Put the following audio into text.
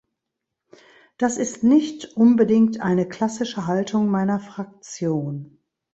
Das ist nicht unbedingt eine klassische Haltung meiner Fraktion.